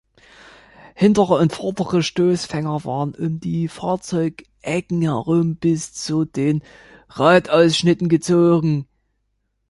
Hintere und vordere Stoßfänger waren um die Fahrzeugecken herum bis zu den Radausschnitten gezogen.